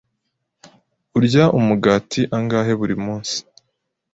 Urya umugati angahe buri munsi?